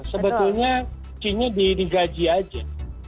sebetulnya di gaji aja